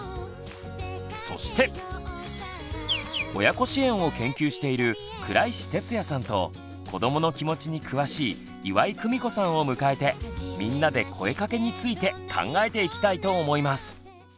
そして親子支援を研究している倉石哲也さんと子どもの気持ちに詳しい岩井久美子さんを迎えてみんなで「声かけ」について考えていきたいと思います！